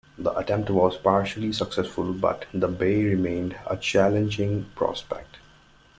The attempt was partially successful but the bay remained a challenging prospect.